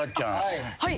はい。